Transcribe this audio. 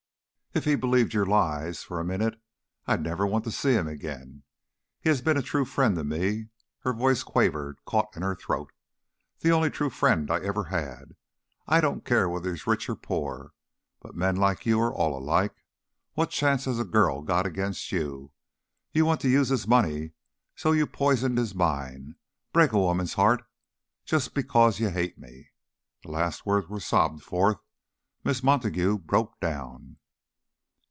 If he believed your lies for a minute I'd never want to see him again. He has been a true friend to me" her voice quavered, caught in her throat "the only true friend I ever had. I don't care whether he's rich or poor, but men like you are all alike. What chance has a girl got against you? You want to use his money, so you p poison his mind break a woman's heart just b because you hate me." The last words were sobbed forth. Miss Montague broke down.